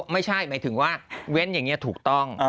ไม่ใช่หมายถึงว่าเว้นอย่างนี้ถูกต้อง